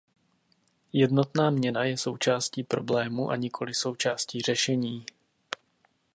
Jednotná měna je součástí problému a nikoli součástí řešení.